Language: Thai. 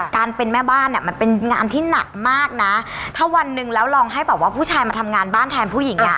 การเป็นแม่บ้านอ่ะมันเป็นงานที่หนักมากนะถ้าวันหนึ่งแล้วลองให้แบบว่าผู้ชายมาทำงานบ้านแทนผู้หญิงอ่ะ